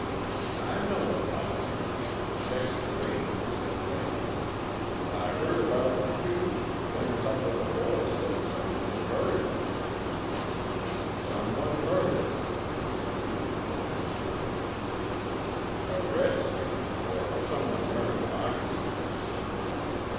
"I know about 'em. Texas Rangers, ain't they? I heard about the shootin', then a couple of the boys said someone had buried 'em." "Someone buried them," repeated the Lone Ranger. "A redskin, or someone wearin' moccasins."